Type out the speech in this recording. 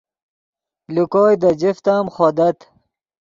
لے کوئے دے جفت ام خودت